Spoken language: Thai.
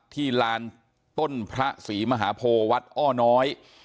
ลานต้นพระศรีมหาโพวัดอ้อน้อย